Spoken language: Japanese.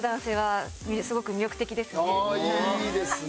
ああいいですね。